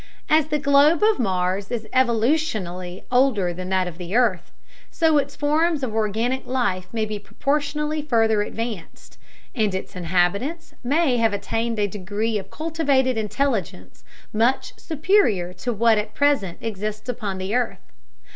As the globe of Mars is evolutionally older than that of the earth, so its forms of organic life may be proportionally further advanced, and its inhabitants may have attained a degree of cultivated intelligence much superior to what at present exists upon the earth.